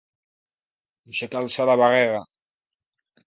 Aixecar-se la barrera.